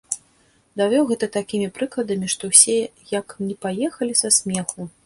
Давёў гэта такімі прыкладамі, што ўсе як не паехалі са смеху.